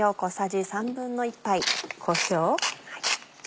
こしょう。